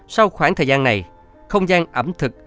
sau khoảng thời gian này không gian ẩm thực